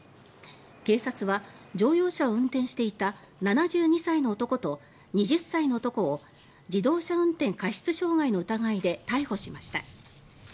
警察は乗用車を運転していた７２歳の男と２０歳の男を自動車運転過失傷害の疑いで逮捕しました。